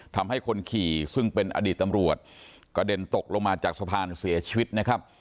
ทำให้คนขี่ซึ่งเป็นอดีตตำรวจกระเด็นตกลงมาจากสะพานเสียชีวิตนะครับ